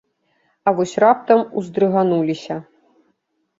А вось раптам уздрыгануліся.